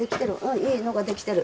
いいのができている。